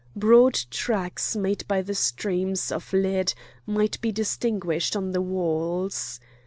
Broad tracks made by the streams of lead might be distinguished on the walls.